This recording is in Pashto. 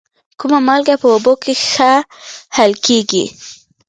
کومه مالګه په اوبو کې ښه حل کیږي؟